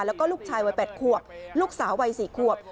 แล้วก็ลูกชายวัย๘ขวบลูกสาววัย๔ขวบ